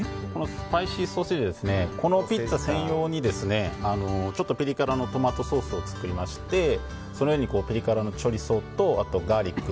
スパイシーソーセージはこのピッツァ専用にちょっとピリ辛のトマトソースを作りましてその上にピリ辛のチョリソーとガーリック